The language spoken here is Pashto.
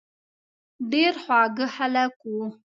ډېر خواږه خلک وو.